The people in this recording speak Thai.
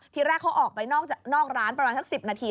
ทีแรกเขาออกไปนอกร้านประมาณสัก๑๐นาที